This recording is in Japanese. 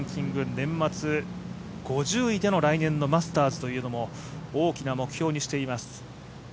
年末５０位での来年のマスターズというのも大きな目標にしています。